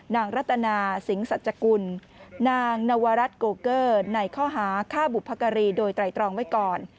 รัตนาสิงสัจกุลนางนวรัฐโกเกอร์ในข้อหาฆ่าบุพการีโดยไตรตรองไว้ก่อน